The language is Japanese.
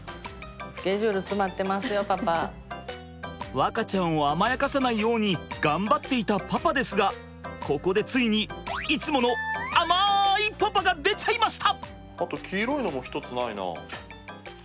和花ちゃんを甘やかさないように頑張っていたパパですがここでついにいつもの甘いパパが出ちゃいました！